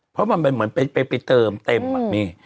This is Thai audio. เพราะมันเป็นเหมือนไปเติมเต็มอ่ะมี